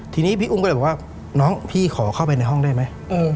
ทีนี้พี่อุ้มก็เลยบอกว่าน้องพี่ขอเข้าไปในห้องได้ไหม